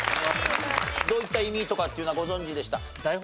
どういった意味とかっていうのはご存じでした？